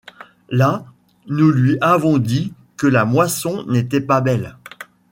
Là, nous lui avons dit que la moisson n'était pas belle.